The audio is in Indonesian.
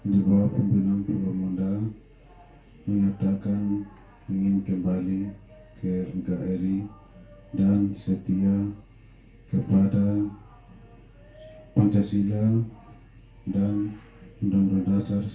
di bawah pimpinan pembangunan mengatakan ingin kembali ke nkri dan setia kepada pancasila dan undang undang dasar seribu sembilan ratus empat puluh